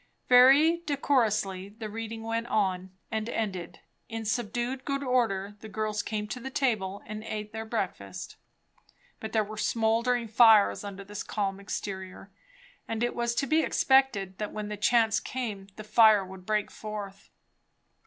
Very decorously the reading went on and ended; in subdued good order the girls came to the table and eat their breakfast; but there were smouldering fires under this calm exterior; and it was to be expected that when the chance came the fire would break forth.